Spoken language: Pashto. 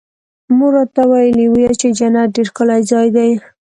مور راته ويلي وو چې جنت ډېر ښکلى ځاى دى.